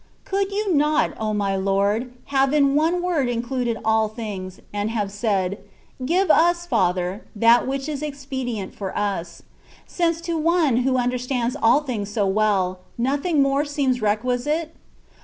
Could you not, O my Lord! have in one word included all things, and have said: " Give us. Father, that which is expedient for us,^' since to one who understands all things so well, nothing more seems requisite